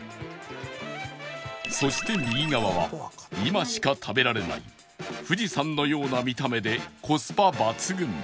そして右側は今しか食べられない富士山のような見た目でコスパ抜群